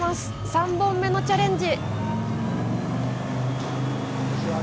３本目のチャレンジ！